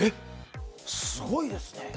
すごいですね。